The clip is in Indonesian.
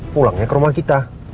pulangnya ke rumah kita